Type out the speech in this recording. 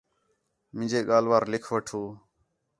مینجے ڳالھ وار لِکھ وٹھو